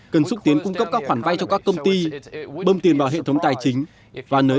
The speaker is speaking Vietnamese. cần xúc tiến cung cấp các khoản vay cho các công ty bơm tiền vào hệ thống tài chính và nới